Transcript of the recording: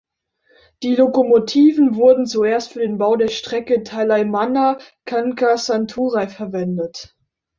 Die Lokomotiven wurden zuerst für den Bau der Strecke Talaimannar–Kankasanthurei verwendet.